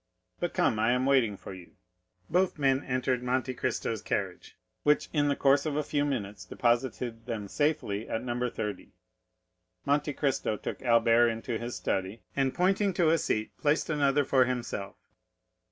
But come, I am waiting for you." Both men entered Monte Cristo's carriage, which in the course of a few minutes deposited them safely at No. 30. Monte Cristo took Albert into his study, and pointing to a seat, placed another for himself.